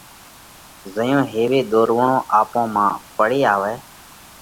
زئيون هيوَئي ۮورووڻ آپون مانه پڙي آوئه،